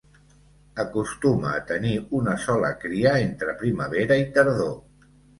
Acostuma a tenir una sola cria entre primavera i tardor.